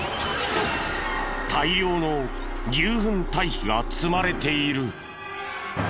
大量の牛ふん堆肥が積まれている。